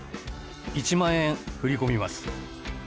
１万円振り込みます。